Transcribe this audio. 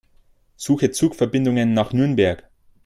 Suche Zugverbindungen nach Nürnberg.